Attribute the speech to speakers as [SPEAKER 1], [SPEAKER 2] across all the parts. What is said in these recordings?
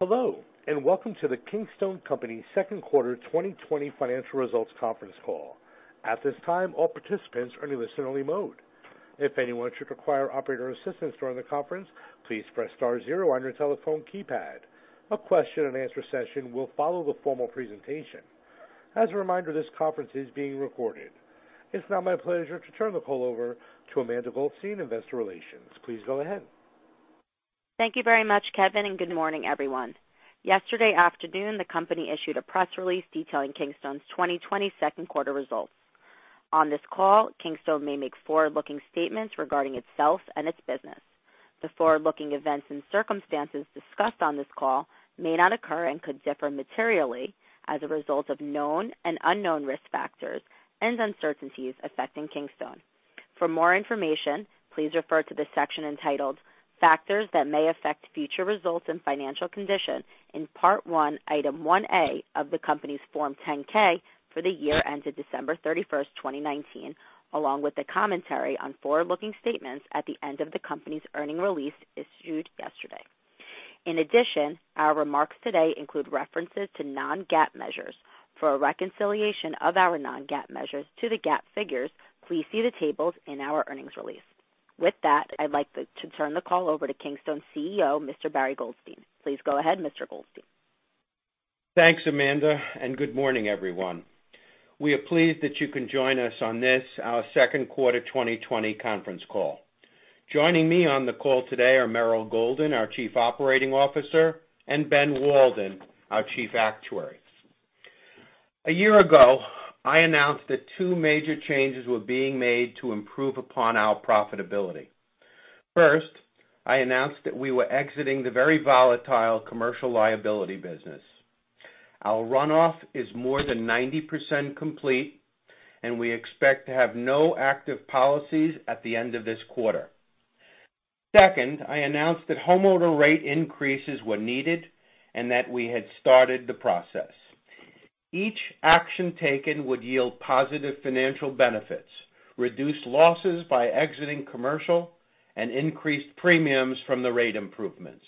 [SPEAKER 1] Hello, and welcome to the Kingstone Companies' second quarter 2020 financial results conference call. At this time, all participants are in the listen-only mode. If anyone should require operator assistance during the conference, please press star zero on your telephone keypad. A question-and-answer session will follow the formal presentation. As a reminder, this conference is being recorded. It's now my pleasure to turn the call over to Amanda Goldstein, Investor Relations. Please go ahead.
[SPEAKER 2] Thank you very much, Kevin, and good morning, everyone. Yesterday afternoon, the company issued a press release detailing Kingstone's 2020 second quarter results. On this call, Kingstone may make forward-looking statements regarding itself and its business. The forward-looking events and circumstances discussed on this call may not occur and could differ materially as a result of known and unknown risk factors and uncertainties affecting Kingstone. For more information, please refer to the section entitled, "Factors That May Affect Future Results and Financial Condition," in Part One, Item 1A of the company's Form 10-K for the year ended December 31st, 2019, along with the commentary on forward-looking statements at the end of the company's earnings release issued yesterday. In addition, our remarks today include references to non-GAAP measures. For a reconciliation of our non-GAAP measures to the GAAP figures, please see the tables in our earnings release. With that, I'd like to turn the call over to Kingstone's CEO, Mr. Barry Goldstein. Please go ahead, Mr. Goldstein.
[SPEAKER 3] Thanks, Amanda, and good morning, everyone. We are pleased that you can join us on this, our second quarter 2020 conference call. Joining me on the call today are Meryl Golden, our Chief Operating Officer, and Ben Walden, our Chief Actuary. A year ago, I announced that two major changes were being made to improve upon our profitability. First, I announced that we were exiting the very volatile commercial liability business. Our run-off is more than 90% complete, and we expect to have no active policies at the end of this quarter. Second, I announced that homeowner rate increases were needed and that we had started the process. Each action taken would yield positive financial benefits, reduce losses by exiting commercial, and increase premiums from the rate improvements.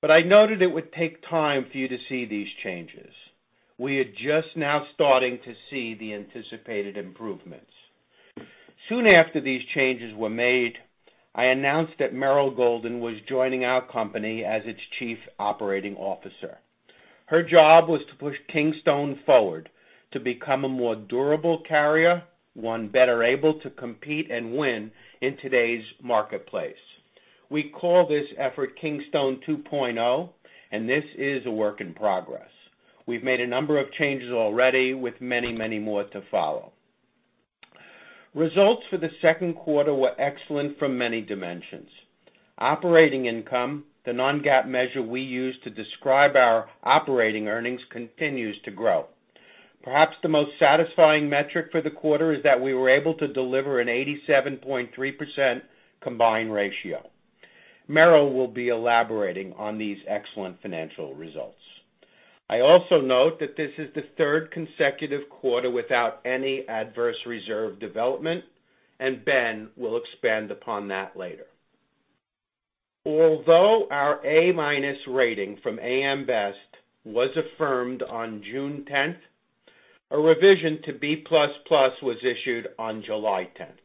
[SPEAKER 3] But I noted it would take time for you to see these changes. We are just now starting to see the anticipated improvements. Soon after these changes were made, I announced that Meryl Golden was joining our company as its Chief Operating Officer. Her job was to push Kingstone forward to become a more durable carrier, one better able to compete and win in today's marketplace. We call this effort Kingstone 2.0, and this is a work in progress. We've made a number of changes already, with many, many more to follow. Results for the second quarter were excellent from many dimensions. Operating income, the non-GAAP measure we use to describe our operating earnings, continues to grow. Perhaps the most satisfying metric for the quarter is that we were able to deliver an 87.3% combined ratio. Meryl will be elaborating on these excellent financial results. I also note that this is the third consecutive quarter without any adverse reserve development, and Ben will expand upon that later. Although our A-rating from AM Best was affirmed on June 10th, a revision to B++ was issued on July 10th.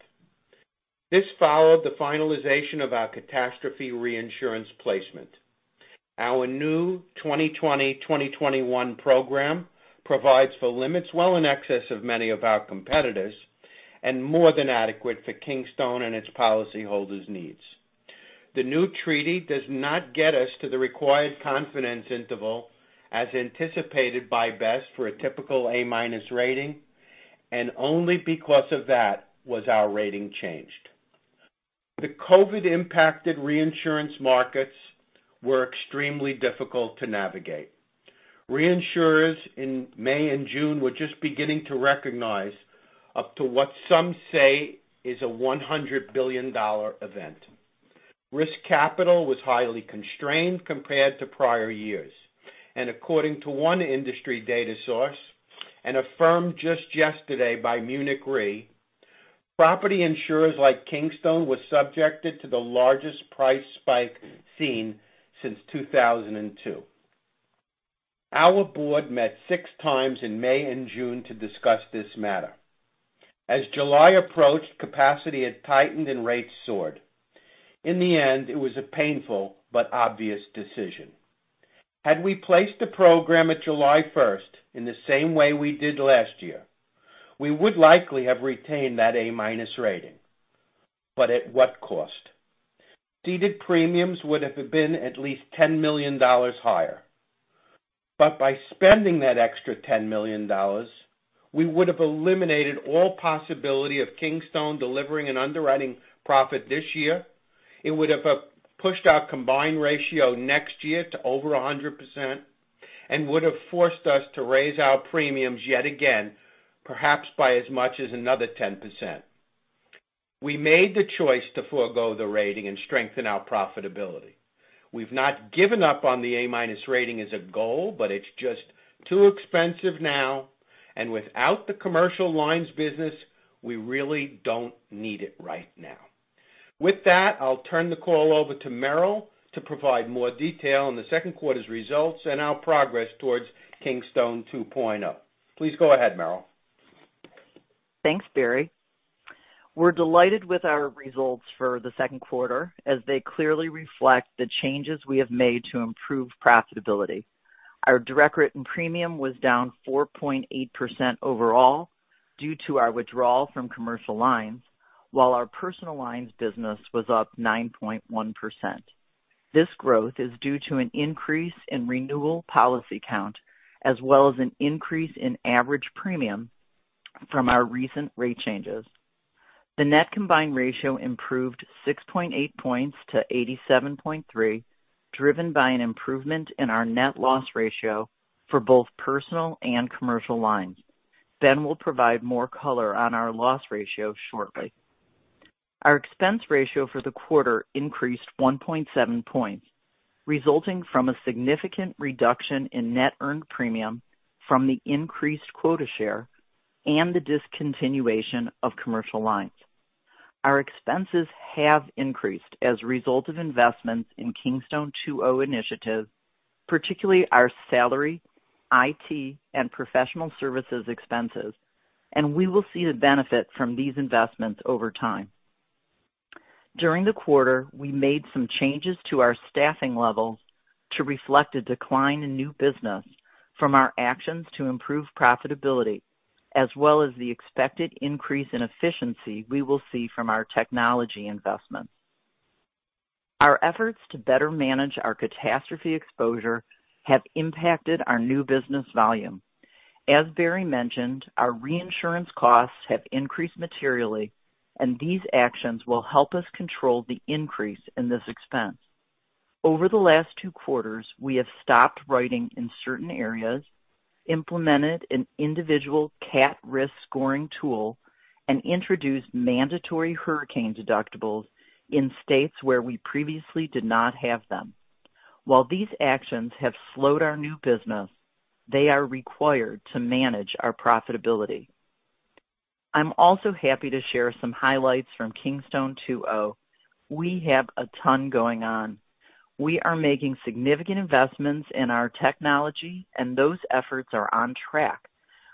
[SPEAKER 3] This followed the finalization of our catastrophe reinsurance placement. Our new 2020-2021 program provides for limits well in excess of many of our competitors and more than adequate for Kingstone and its policyholders' needs. The new treaty does not get us to the required confidence interval as anticipated by Best for a typical A-rating, and only because of that was our rating changed. The COVID-impacted reinsurance markets were extremely difficult to navigate. Reinsurers in May and June were just beginning to recognize up to what some say is a $100 billion event. Risk capital was highly constrained compared to prior years, and according to one industry data source, one affirmed just yesterday by Munich Re, property insurers like Kingstone were subjected to the largest price spike seen since 2002. Our board met six times in May and June to discuss this matter. As July approached, capacity had tightened and rates soared. In the end, it was a painful but obvious decision. Had we placed the program at July 1st in the same way we did last year, we would likely have retained that A-rating, but at what cost? Ceded premiums would have been at least $10 million higher. But by spending that extra $10 million, we would have eliminated all possibility of Kingstone delivering an underwriting profit this year. It would have pushed our combined ratio next year to over 100% and would have forced us to raise our premiums yet again, perhaps by as much as another 10%. We made the choice to forego the rating and strengthen our profitability. We've not given up on the A-rating as a goal, but it's just too expensive now, and without the commercial lines business, we really don't need it right now. With that, I'll turn the call over to Meryl to provide more detail on the second quarter's results and our progress towards Kingstone 2.0. Please go ahead, Meryl.
[SPEAKER 4] Thanks, Barry. We're delighted with our results for the second quarter as they clearly reflect the changes we have made to improve profitability. Our direct written premium was down 4.8% overall due to our withdrawal from commercial lines, while our personal lines business was up 9.1%. This growth is due to an increase in renewal policy count as well as an increase in average premium from our recent rate changes. The net combined ratio improved 6.8 points to 87.3, driven by an improvement in our net loss ratio for both personal and commercial lines. Ben will provide more color on our loss ratio shortly. Our expense ratio for the quarter increased 1.7 points, resulting from a significant reduction in net earned premium from the increased quota share and the discontinuation of commercial lines. Our expenses have increased as a result of investments in Kingstone 2.0 initiatives, particularly our salary, IT, and professional services expenses, and we will see the benefit from these investments over time. During the quarter, we made some changes to our staffing levels to reflect a decline in new business from our actions to improve profitability, as well as the expected increase in efficiency we will see from our technology investments. Our efforts to better manage our catastrophe exposure have impacted our new business volume. As Barry mentioned, our reinsurance costs have increased materially, and these actions will help us control the increase in this expense. Over the last two quarters, we have stopped writing in certain areas, implemented an individual CAT risk scoring tool, and introduced mandatory hurricane deductibles in states where we previously did not have them. While these actions have slowed our new business, they are required to manage our profitability. I'm also happy to share some highlights from Kingstone 2.0. We have a ton going on. We are making significant investments in our technology, and those efforts are on track.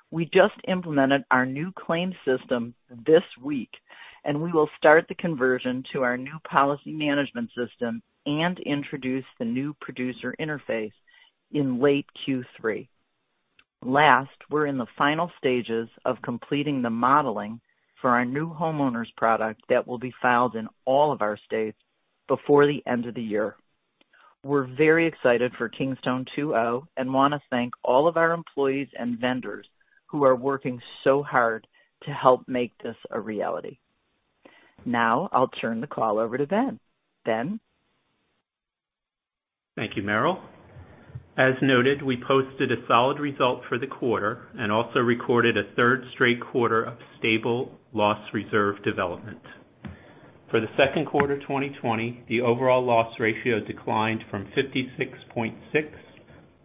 [SPEAKER 4] We just implemented our new claim system this week, and we will start the conversion to our new policy management system and introduce the new producer interface in late Q3. Last, we're in the final stages of completing the modeling for our new homeowners product that will be filed in all of our states before the end of the year. We're very excited for Kingstone 2.0 and want to thank all of our employees and vendors who are working so hard to help make this a reality. Now, I'll turn the call over to Ben. Ben.
[SPEAKER 5] Thank you, Meryl. As noted, we posted a solid result for the quarter and also recorded a third straight quarter of stable loss reserve development. For the second quarter 2020, the overall loss ratio declined from 56.6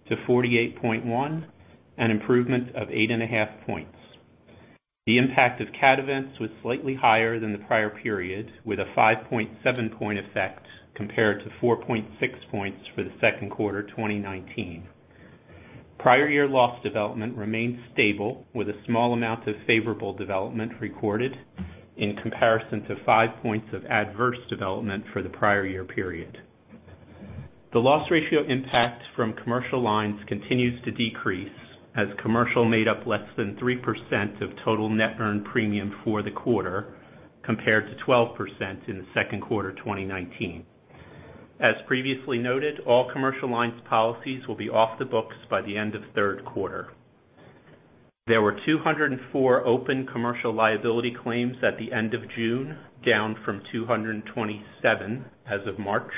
[SPEAKER 5] to 48.1, an improvement of 8.5 points. The impact of CAT events was slightly higher than the prior period, with a 5.7-point effect compared to 4.6 points for the second quarter 2019. Prior year loss development remained stable, with a small amount of favorable development recorded in comparison to 5 points of adverse development for the prior year period. The loss ratio impact from commercial lines continues to decrease as commercial made up less than 3% of total net earned premium for the quarter compared to 12% in the second quarter 2019. As previously noted, all commercial lines policies will be off the books by the end of third quarter. There were 204 open commercial liability claims at the end of June, down from 227 as of March.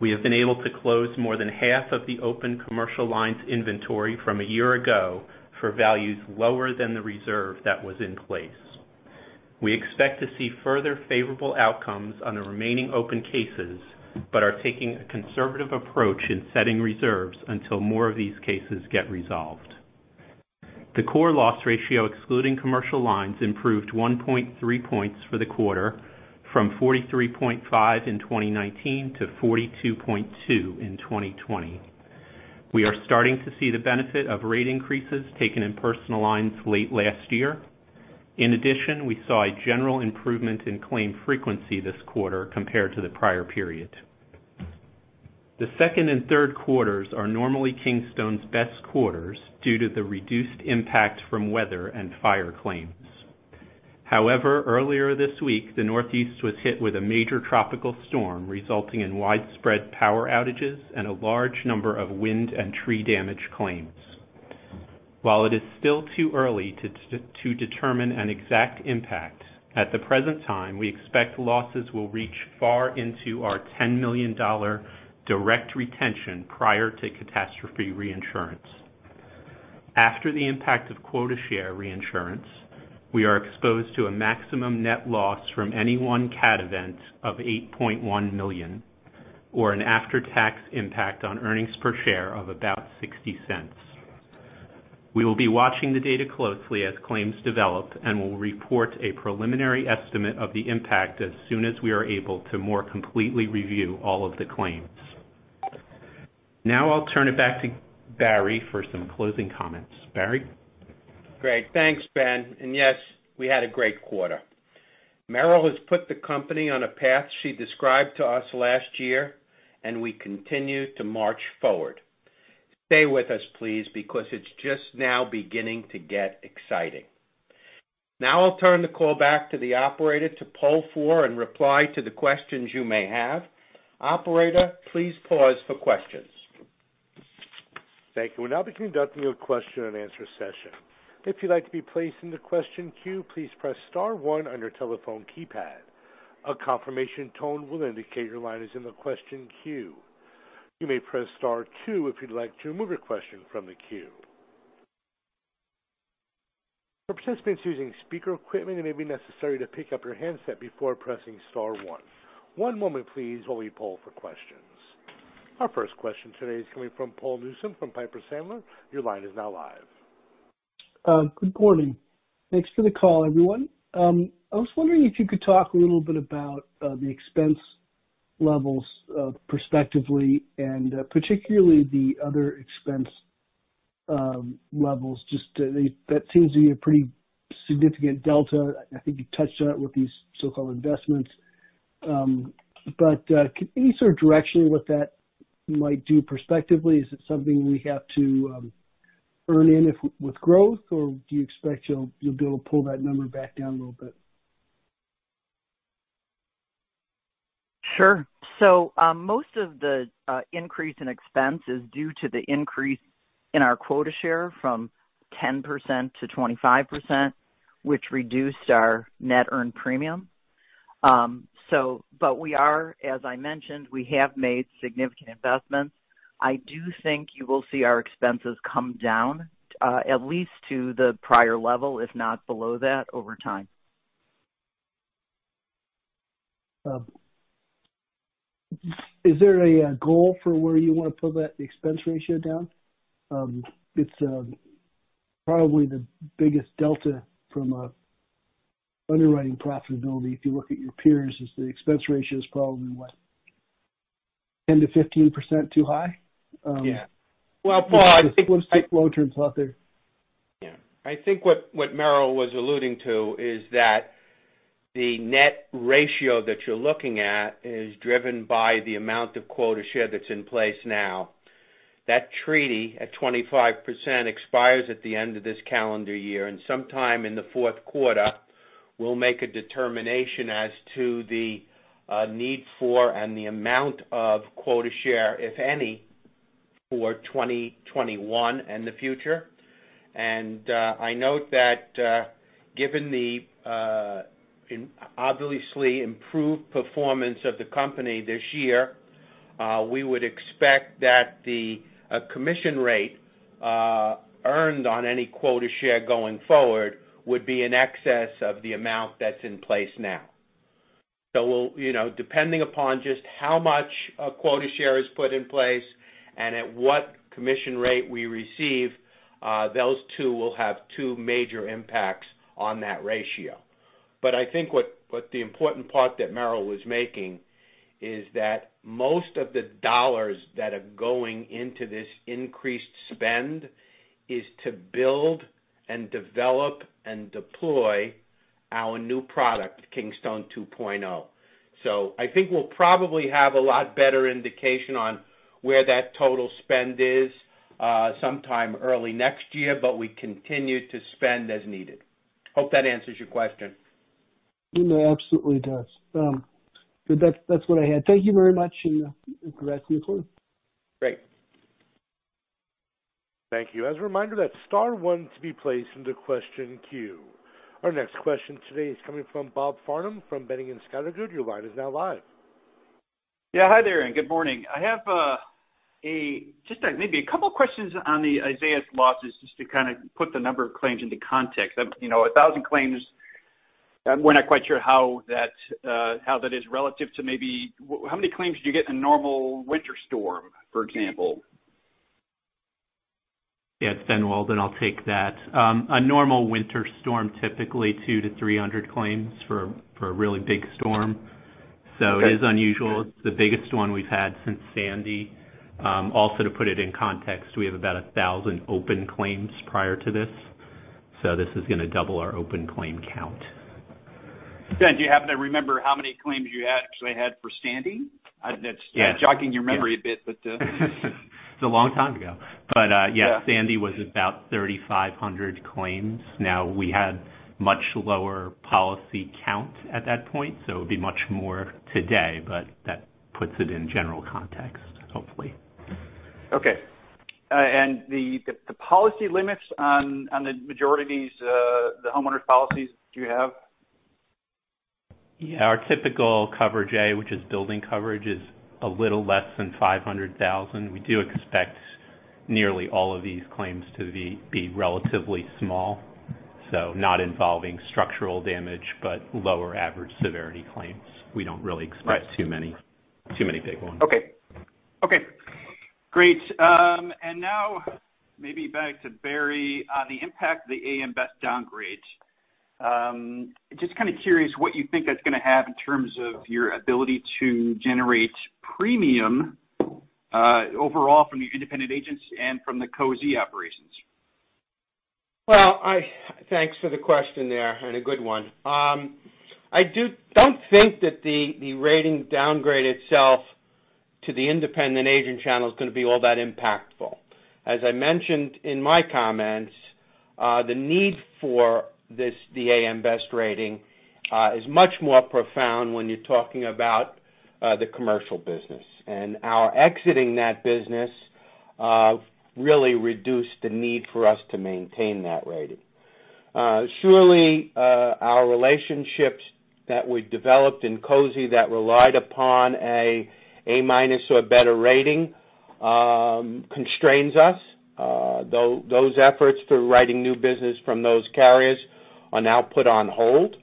[SPEAKER 5] We have been able to close more than half of the open commercial lines inventory from a year ago for values lower than the reserve that was in place. We expect to see further favorable outcomes on the remaining open cases but are taking a conservative approach in setting reserves until more of these cases get resolved. The core loss ratio excluding commercial lines improved 1.3 points for the quarter, from 43.5 in 2019 to 42.2 in 2020. We are starting to see the benefit of rate increases taken in personal lines late last year. In addition, we saw a general improvement in claim frequency this quarter compared to the prior period. The second and third quarters are normally Kingstone's best quarters due to the reduced impact from weather and fire claims. However, earlier this week, the Northeast was hit with a major tropical storm, resulting in widespread power outages and a large number of wind and tree damage claims. While it is still too early to determine an exact impact, at the present time, we expect losses will reach far into our $10 million direct retention prior to catastrophe reinsurance. After the impact of quota share reinsurance, we are exposed to a maximum net loss from any one CAT event of $8.1 million or an after-tax impact on earnings per share of about $0.60. We will be watching the data closely as claims develop and will report a preliminary estimate of the impact as soon as we are able to more completely review all of the claims. Now, I'll turn it back to Barry for some closing comments. Barry.
[SPEAKER 3] Great. Thanks, Ben. And yes, we had a great quarter. Meryl has put the company on a path she described to us last year, and we continue to march forward. Stay with us, please, because it's just now beginning to get exciting. Now, I'll turn the call back to the operator to poll for and reply to the questions you may have. Operator, please pause for questions.
[SPEAKER 1] Thank you. We're now beginning to have a question and answer session. If you'd like to be placed in the question queue, please press star one on your telephone keypad. A confirmation tone will indicate your line is in the question queue. You may press star two if you'd like to remove your question from the queue. For participants using speaker equipment, it may be necessary to pick up your handset before pressing star one. One moment, please, while we poll for questions. Our first question today is coming from Paul Newsome from Piper Sandler. Your line is now live.
[SPEAKER 6] Good morning. Thanks for the call, everyone. I was wondering if you could talk a little bit about the expense levels prospectively and particularly the other expense levels. That seems to be a pretty significant delta. I think you touched on it with these so-called investments. But any sort of direction with that might do prospectively? Is it something we have to earn in with growth, or do you expect you'll be able to pull that number back down a little bit?
[SPEAKER 4] Sure. So most of the increase in expense is due to the increase in our quota share from 10% to 25%, which reduced our net earned premium. But we are, as I mentioned, we have made significant investments. I do think you will see our expenses come down at least to the prior level, if not below that, over time.
[SPEAKER 6] Is there a goal for where you want to pull that expense ratio down? It's probably the biggest delta from underwriting profitability. If you look at your peers, the expense ratio is probably what, 10%-15% too high?
[SPEAKER 3] Yeah. Well, Paul, I think.
[SPEAKER 6] Long-term thought there.
[SPEAKER 3] Yeah. I think what Meryl was alluding to is that the net ratio that you're looking at is driven by the amount of quota share that's in place now. That treaty at 25% expires at the end of this calendar year, and sometime in the fourth quarter, we'll make a determination as to the need for and the amount of quota share, if any, for 2021 and the future. And I note that given the obviously improved performance of the company this year, we would expect that the commission rate earned on any quota share going forward would be in excess of the amount that's in place now. So depending upon just how much quota share is put in place and at what commission rate we receive, those two will have two major impacts on that ratio. But I think what the important part that Meryl was making is that most of the dollars that are going into this increased spend is to build and develop and deploy our new product, Kingstone 2.0. So I think we'll probably have a lot better indication on where that total spend is sometime early next year, but we continue to spend as needed. Hope that answers your question.
[SPEAKER 6] It absolutely does. That's what I had. Thank you very much and congrats to your firm.
[SPEAKER 3] Great.
[SPEAKER 1] Thank you. As a reminder, that star one to be placed in the question queue. Our next question today is coming from Bob Farnham from Boenning & Scattergood. Your line is now live.
[SPEAKER 7] Yeah. Hi there, and good morning. I have just maybe a couple of questions on the Isaias's losses just to kind of put the number of claims into context. 1,000 claims, we're not quite sure how that is relative to maybe how many claims do you get in a normal winter storm, for example?
[SPEAKER 5] Yeah. It's Ben Walden. I'll take that. A normal winter storm typically 200-300 claims for a really big storm. So it is unusual. It's the biggest one we've had since Sandy. Also, to put it in context, we have about 1,000 open claims prior to this. So this is going to double our open claim count.
[SPEAKER 7] Ben, do you happen to remember how many claims you actually had for Sandy? That's jogging your memory a bit, but.
[SPEAKER 5] It's a long time ago. But yes, Sandy was about 3,500 claims. Now, we had a much lower policy count at that point, so it would be much more today, but that puts it in general context, hopefully.
[SPEAKER 7] Okay, and the policy limits on the majority of these homeowners policies, do you have?
[SPEAKER 5] Yeah. Our typical Coverage A, which is building coverage, is a little less than $500,000. We do expect nearly all of these claims to be relatively small, so not involving structural damage, but lower average severity claims. We don't really expect too many big ones.
[SPEAKER 7] And now, maybe back to Barry on the impact of the AM Best downgrade. Just kind of curious what you think that's going to have in terms of your ability to generate premium overall from your independent agents and from the Cozy operations?
[SPEAKER 3] Well, thanks for the question there, and a good one. I don't think that the rating downgrade itself to the independent agent channel is going to be all that impactful. As I mentioned in my comments, the need for the AM Best rating is much more profound when you're talking about the commercial business. And our exiting that business really reduced the need for us to maintain that rating. Surely, our relationships that we developed in Cozy that relied upon an A-minus or a better rating constrains us. Those efforts for writing new business from those carriers are now put on hold.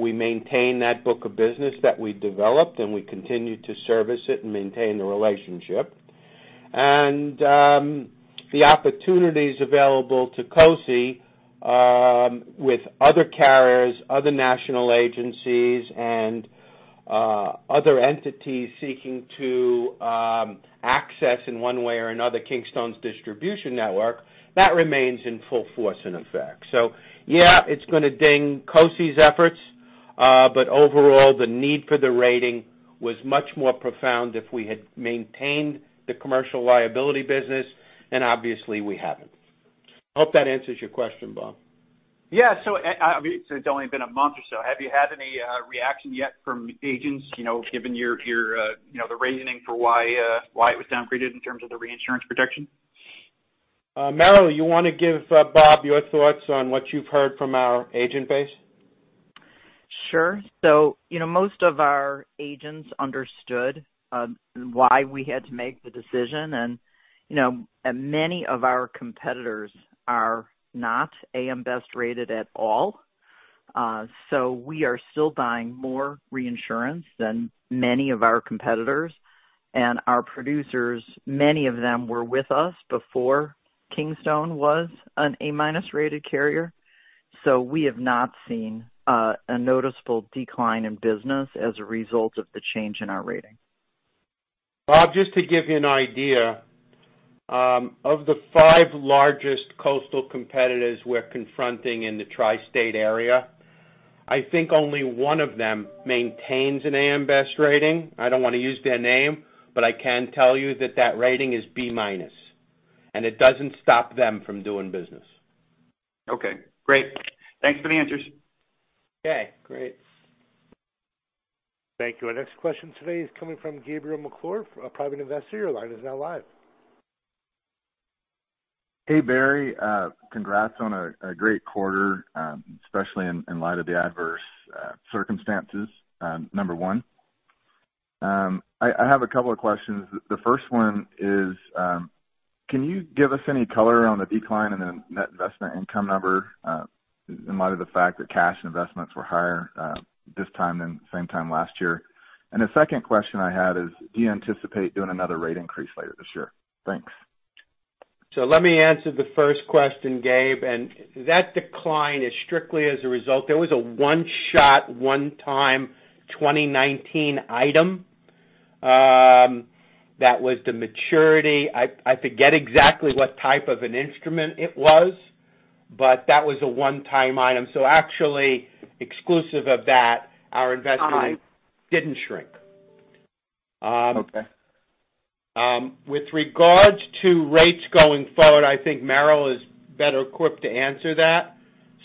[SPEAKER 3] We maintain that book of business that we developed, and we continue to service it and maintain the relationship. And the opportunities available to Cozy with other carriers, other national agencies, and other entities seeking to access, in one way or another, Kingstone's distribution network, that remains in full force and effect. So yeah, it's going to ding Cozy's efforts, but overall, the need for the rating was much more profound if we had maintained the commercial liability business, and obviously, we haven't. I hope that answers your question, Bob.
[SPEAKER 7] Yeah, so it's only been a month or so. Have you had any reaction yet from agents, given the reasoning for why it was downgraded in terms of the reinsurance protection?
[SPEAKER 3] Meryl, you want to give Bob your thoughts on what you've heard from our agent base?
[SPEAKER 4] Sure. So most of our agents understood why we had to make the decision. And many of our competitors are not AM Best rated at all. So we are still buying more reinsurance than many of our competitors. And our producers, many of them were with us before Kingstone was an A-minus rated carrier. So we have not seen a noticeable decline in business as a result of the change in our rating.
[SPEAKER 3] Bob, just to give you an idea, of the five largest coastal competitors we're confronting in the Tri-State Area, I think only one of them maintains an A.M. Best rating. I don't want to use their name, but I can tell you that that rating is B-minus. And it doesn't stop them from doing business.
[SPEAKER 7] Okay. Great. Thanks for the answers.
[SPEAKER 3] Okay. Great.
[SPEAKER 1] Thank you. Our next question today is coming from Gabriel McClure, a private investor. Your line is now live. Hey, Barry. Congrats on a great quarter, especially in light of the adverse circumstances, number one. I have a couple of questions. The first one is, can you give us any color on the decline in the net investment income number in light of the fact that cash investments were higher this time than the same time last year? And the second question I had is, do you anticipate doing another rate increase later this year? Thanks.
[SPEAKER 3] So let me answer the first question, Gabe. And that decline is strictly as a result. There was a one-shot, one-time 2019 item that was the maturity. I forget exactly what type of an instrument it was, but that was a one-time item. So actually, exclusive of that, our investment didn't shrink. With regards to rates going forward, I think Meryl is better equipped to answer that.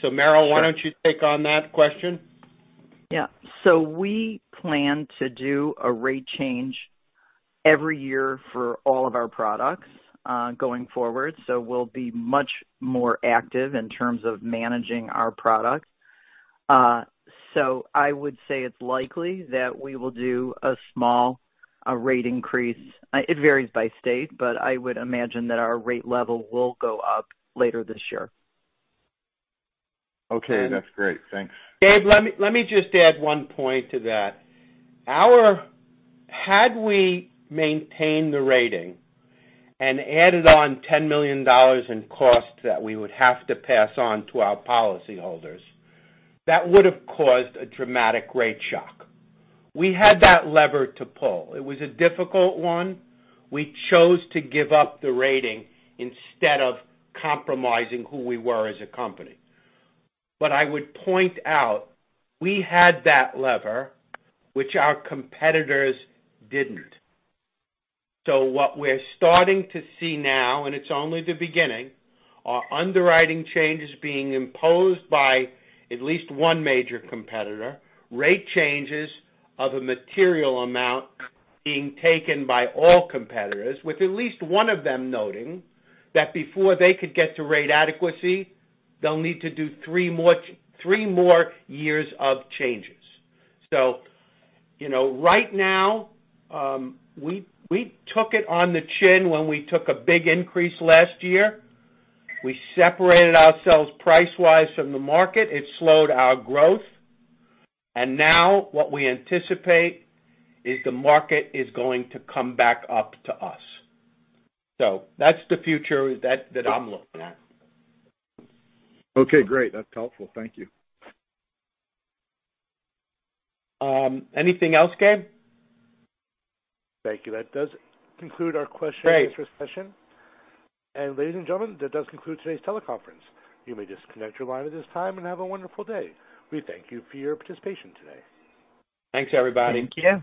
[SPEAKER 3] So Meryl, why don't you take on that question?
[SPEAKER 4] Yeah. So we plan to do a rate change every year for all of our products going forward. So we'll be much more active in terms of managing our product. So I would say it's likely that we will do a small rate increase. It varies by state, but I would imagine that our rate level will go up later this year. Okay. That's great. Thanks.
[SPEAKER 3] Gabe, let me just add one point to that. Had we maintained the rating and added on $10 million in costs that we would have to pass on to our policyholders, that would have caused a dramatic rate shock. We had that lever to pull. It was a difficult one. We chose to give up the rating instead of compromising who we were as a company. But I would point out we had that lever, which our competitors didn't. So what we're starting to see now, and it's only the beginning, are underwriting changes being imposed by at least one major competitor, rate changes of a material amount being taken by all competitors, with at least one of them noting that before they could get to rate adequacy, they'll need to do three more years of changes. So right now, we took it on the chin when we took a big increase last year. We separated ourselves price-wise from the market. It slowed our growth. And now what we anticipate is the market is going to come back up to us. So that's the future that I'm looking at.
[SPEAKER 1] Okay. Great. That's helpful. Thank you.
[SPEAKER 3] Anything else, Gabe?
[SPEAKER 1] Thank you. That does conclude our question and answer session. And ladies and gentlemen, that does conclude today's teleconference. You may disconnect your line at this time and have a wonderful day. We thank you for your participation today.
[SPEAKER 3] Thanks, everybody.
[SPEAKER 6] Thank you.